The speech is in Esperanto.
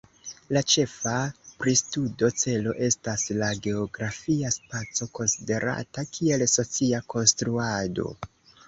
La ĉefa pristudo celo estas la geografia spaco, konsiderata kiel socia konstruado.